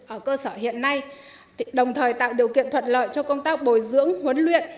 ở cơ sở hiện nay đồng thời tạo điều kiện thuận lợi cho công tác bồi dưỡng huấn luyện